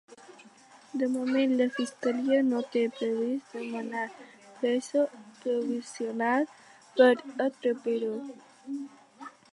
De moment, la Fiscalia no té previst demanar presó provisional per a Trapero.